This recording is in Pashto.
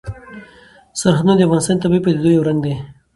سرحدونه د افغانستان د طبیعي پدیدو یو رنګ دی.